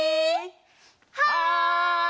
はい！